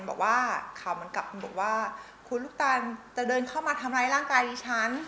บอกว่าคุณลูกตันจะเดินเข้ามาทำร้ายร่างกายดิฉัน